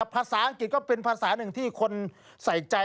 ภาษาอังกฤษก็เป็นภาษาหนึ่งที่คนใส่ใจ